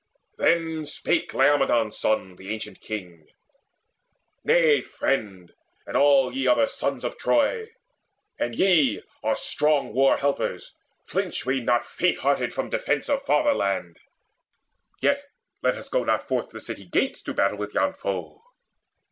Then spake Laomedon's son, the ancient king: "Nay, friend, and all ye other sons of Troy, And ye our strong war helpers, flinch we not Faint hearted from defence of fatherland! Yet let us go not forth the city gates To battle with yon foe.